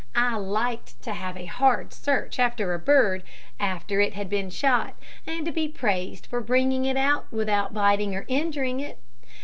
I liked to have a hard search after a bird after it had been shot, and to be praised for bringing it out without biting or injuring it.